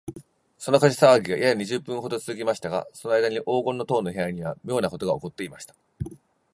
その火事さわぎが、やや二十分ほどもつづきましたが、そのあいだに黄金の塔の部屋には、みょうなことがおこっていました。